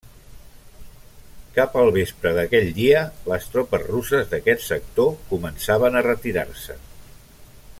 Cap al vespre d'aquell dia les tropes russes d'aquest sector començaven a retirar-se.